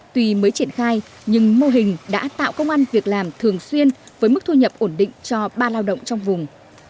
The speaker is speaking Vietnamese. tuy mới triển khai nhưng mô hình đã tạo công an việc làm thường xuyên với mức thu nhập ổn định cho ba lao động trong vùng